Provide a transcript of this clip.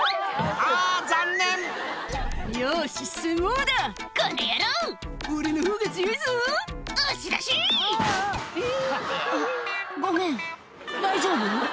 「あごめん大丈夫？」